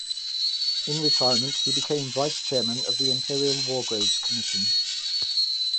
In retirement he became Vice Chairman of the Imperial War Graves Commission.